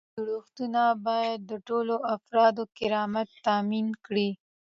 جوړښتونه باید د ټولو افرادو کرامت تامین کړي.